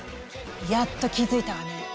やっと気付いたわね！